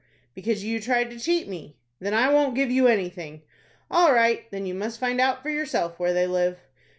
"Because you tried to cheat me." "Then I won't give you anything." "All right. Then you must find out for yourself where they live."